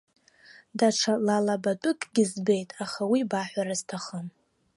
Даҽа лалабатәыкгьы збеит, аха уи баҳәара сҭахым.